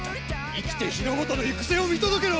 生きて日の本の行く末を見届けろ。